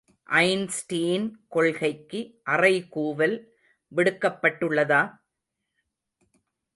Einstein கொள்கைக்கு அறைகூவல் விடுக்கப்பட்டுள்ளதா?